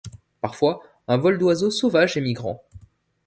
Parfois un vol d'oiseaux sauvages émigrant.